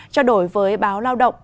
trả đổi với báo lao động